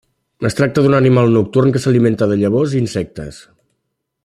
Es tracta d'un animal nocturn que s'alimenta de llavors i insectes.